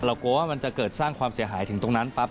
กลัวว่ามันจะเกิดสร้างความเสียหายถึงตรงนั้นปั๊บ